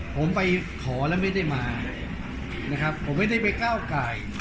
ผมไปขอแล้วไม่ได้มานะครับผมไม่ได้ไปก้าวไก่